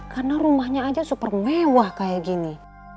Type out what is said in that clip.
karena rumahnya aja super mewah kayak gini